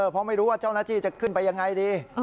เพราะไม่รู้ว่าเจ้าหน้าที่จะขึ้นไปยังไงดี